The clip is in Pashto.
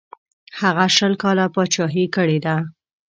هغه شل کاله پاچهي کړې ده.